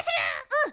うん。